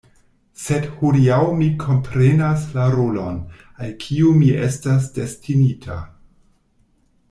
Sed hodiaŭ mi komprenas la rolon, al kiu mi estas destinita.